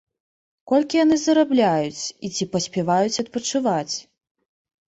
Колькі яны зарабляюць і ці паспяваюць адпачываць?